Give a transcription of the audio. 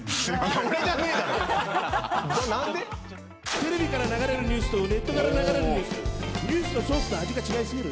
「テレビから流れるニュースとネットから流れるニュース」「ＮＥＷＳのソースの味が違いすぎる」